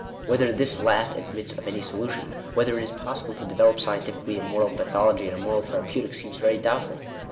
Whether this last admits of any solution — whether it is pos sible to develope scientifically a Moral Pathology and a Moral Therapeutics seems very doubtful.